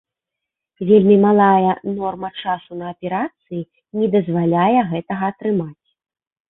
Вельмі малая норма часу на аперацыі не дазваляе гэтага атрымаць.